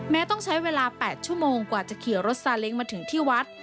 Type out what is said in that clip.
ต้องใช้เวลา๘ชั่วโมงกว่าจะขี่รถซาเล้งมาถึงที่วัด